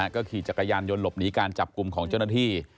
ก็ขี่จักรยานยนต์หลบหนีการจับกลุ่มของเจ้าหน้าที่